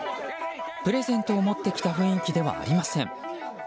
プレゼントを持ってきた雰囲気ではありません。